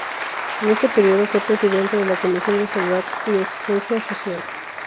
En este periodo, fue Presidenta de la Comisión de Salud y Asistencia Social.